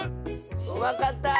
わかった！